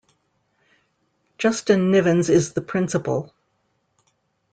Justin Nivens is the Principal.